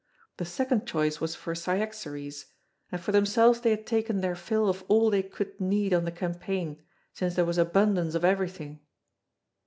The second choice was for Cyaxares, and for themselves they had taken their fill of all they could need on the campaign, since there was abundance of everything.